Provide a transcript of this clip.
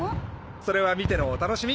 それは見てのお楽しみ！